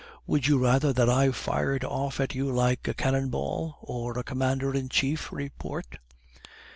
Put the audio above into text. Would you rather that I fired off at you like a cannon ball, or a commander in chief's report?